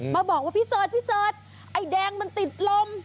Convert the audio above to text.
มาบอกว่าพี่เสิร์ธไอ้แดงมันติดลม